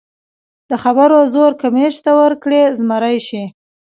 د خبرو زور که مچ ته ورکړې، زمری شي.